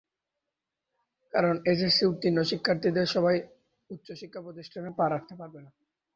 কারণ, এইচএসসি উত্তীর্ণ শিক্ষার্থীদের সবাই উচ্চশিক্ষা প্রতিষ্ঠানে পা রাখতে পারবেন না।